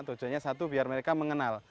tujuannya satu biar mereka mengenal